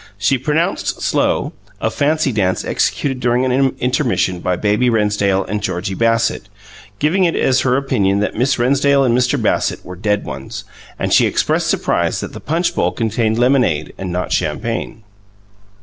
She pronounced "slow" a "Fancy Dance" executed during an intermission by Baby Rennsdale and Georgie Bassett, giving it as her opinion that Miss Rennsdale and Mr. Bassett were "dead ones"; and she expressed surprise that the punch bowl contained lemonade and not champagne.